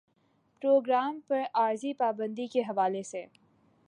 programme پر عارضی پابندی کے حوالے سے